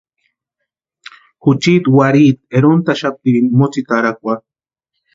Juchiti warhiiti erontaxaptirini motsetarakwarhu.